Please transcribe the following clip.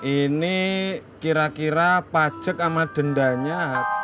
ini kira kira pajak sama dendanya